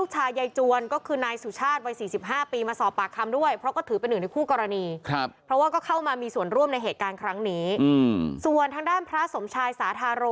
ฉันก็ไม่เคลื่อนว่าเขาจะมาตีฉัน